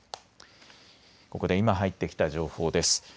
ここで今入ってきた情報です。